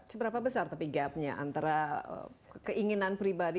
seberapa besar tapi gapnya antara keinginan pribadi